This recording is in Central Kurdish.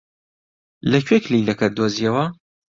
لەکوێ کلیلەکەت دۆزییەوە؟